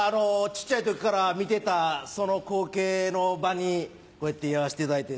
小っちゃい時から見てたその光景の場にこうやって居合わせていただいて。